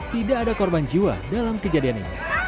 tidak ada korban jiwa dalam kejadian ini